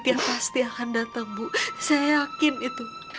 yang pasti akan datang bu saya yakin itu